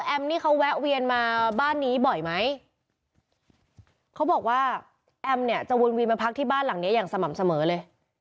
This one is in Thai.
นี่เขาแวะเวียนมาบ้านนี้บ่อยไหมเขาบอกว่าแอมเนี่ยจะวนเวียนมาพักที่บ้านหลังเนี้ยอย่างสม่ำเสมอเลย